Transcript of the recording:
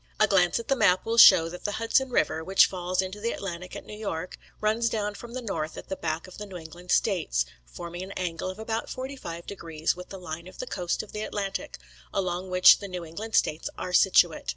A glance at the map will show that the Hudson river, which falls into the Atlantic at New York, runs down from the north at the back of the New England States, forming an angle of about forty five degrees with the line of the coast of the Atlantic, along which the New England states are situate.